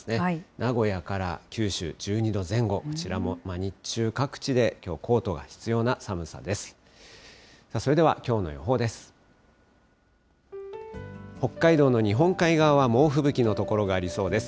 名古屋から九州、１２度前後、こちらも日中、各地できょう、コートが必要な寒さです。